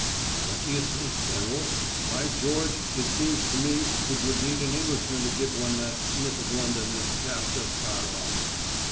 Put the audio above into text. "What do you think, General? By George, it seems to me it would need an Englishman to give one that sniff of London this chap just got off."